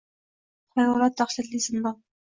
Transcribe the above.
Chorasiz xayolot – dahshatli zindon.